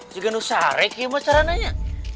jangan usah rekim mas cara nanya